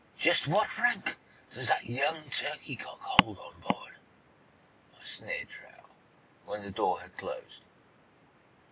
"Just what rank does that young turkey cock hold on board?" sneered Truax, when the door had closed.